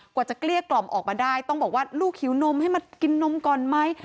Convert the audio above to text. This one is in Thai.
กว่าจะเกลี้ยกล่อมออกมาได้ต้องบอกว่าลูกหิวนมให้มากินนมก่อนไหม